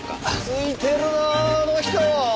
ついてるなあの人。